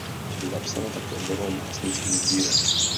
Napsala také mnoho básnických sbírek.